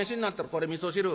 これみそ汁。